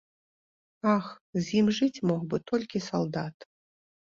Ах, з ім жыць мог бы толькі салдат.